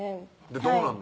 どうなんの？